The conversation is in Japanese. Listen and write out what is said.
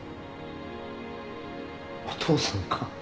お父さんか。